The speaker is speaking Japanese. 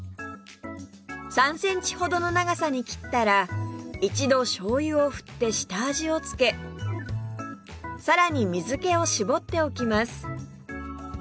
３センチほどの長さに切ったら一度醤油を振って下味をつけさらに水気を絞っておきます